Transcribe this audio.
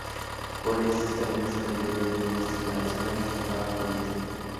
Por esto, estaremos en calidad de propuesta para zona reservada por un tiempo.